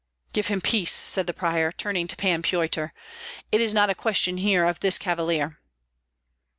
"Give him peace," said the prior, turning to Pan Pyotr. "It is not a question here of this cavalier."